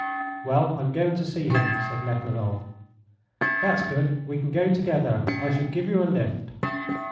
"Well, I'm going to see him," said Nekhludoff. "That's good; we can go together. I shall give you a lift."